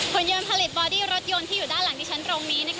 หุ่นยนต์ผลิตบอดี้รถยนต์ที่อยู่ด้านหลังที่ชั้นตรงนี้